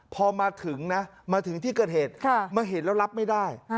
พอมาถึงนะมาถึงที่เกิดเหตุมาเห็นแล้วรับไม่ได้